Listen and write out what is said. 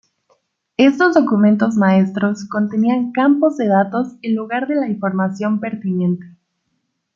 Estos documentos maestros contenían campos de datos en lugar de la información pertinente.